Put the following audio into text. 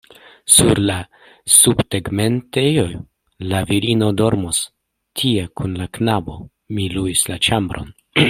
Sur la subtegmentejo? La virino dormos tie kun la knabo; mi luis la ĉambron.